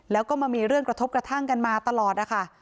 แล้วก็มามีเรื่องกระทบกระทั่งกันมาตลอดนะคะ